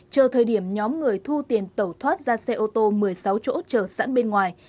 chờ thời điểm nhóm người thu tiền tẩu thoát ra xe ô tô một mươi sáu chỗ chờ sẵn bên ngoài